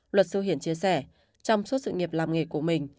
luật sư hiển chia sẻ trong suốt sự nghiệp làm nghề của mình